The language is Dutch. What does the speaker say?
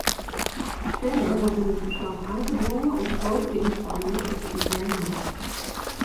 Verder wordt in het verslag aangedrongen op grotere inspanningen op de interne markt.